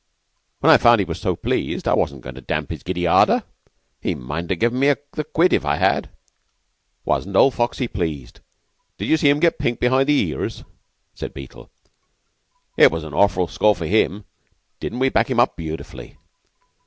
When I found he was so pleased, I wasn't goin' to damp his giddy ardor. He mightn't ha' given me the quid if I had." "Wasn't old Foxy pleased? Did you see him get pink behind the ears?" said Beetle. "It was an awful score for him. Didn't we back him up beautifully?